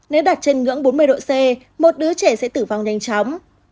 nếu đạt trên ngưỡng bốn mươi độ c một đứa trẻ sẽ tử vong nhanh chóng